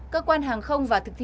cơ quan hàng không và thực thi